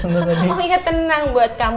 oh iya tenang buat kamu